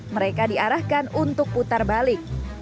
mereka diarahkan untuk putar balik